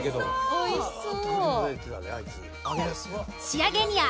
おいしそう。